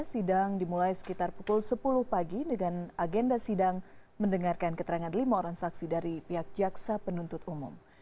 sidang dimulai sekitar pukul sepuluh pagi dengan agenda sidang mendengarkan keterangan lima orang saksi dari pihak jaksa penuntut umum